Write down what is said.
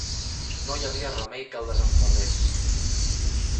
No hi havia remei que el desenfebrés.